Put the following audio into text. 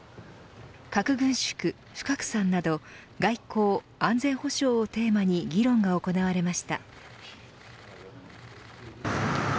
核軍縮・不拡散など外交・安全保障をテーマに議論が行われました。